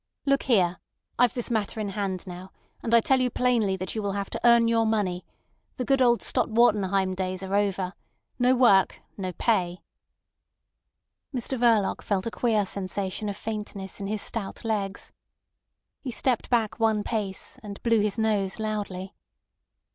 Look here. I've this matter in hand now, and I tell you plainly that you will have to earn your money. The good old Stott Wartenheim times are over. No work, no pay." Mr Verloc felt a queer sensation of faintness in his stout legs. He stepped back one pace, and blew his nose loudly.